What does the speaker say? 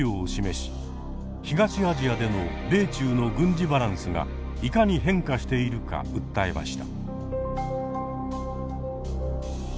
東アジアでの米中の軍事バランスがいかに変化しているか訴えました。